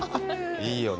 いいよね。